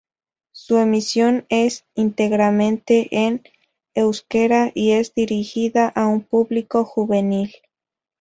Su emisión es íntegramente en euskera y es dirigida a un público juvenil.